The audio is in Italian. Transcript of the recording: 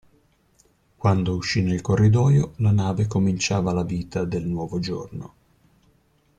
Quando uscì nel corridoio, la nave cominciava la vita del nuovo giorno.